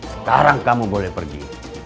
sekarang kamu boleh pergi